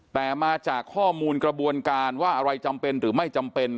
แต่มาจากข้อมูลกระบวนการว่าอะไรจำเป็นหรือไม่จำเป็น